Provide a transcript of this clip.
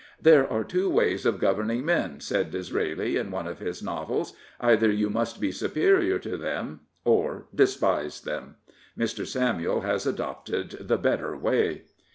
" There are two ways of governing men," said Disraeli in one of his novels. " Either you must be superior to them, or despise them." Mr. Samuel has adopted the better way.